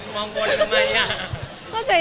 มองบอร์ทำไมอะ